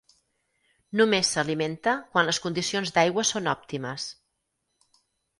Només s'alimenta quan les condicions d'aigua són òptimes.